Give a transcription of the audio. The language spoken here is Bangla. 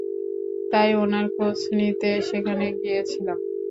তাই উনার খোঁজ নিতে সেখানে গিয়েছিলাম।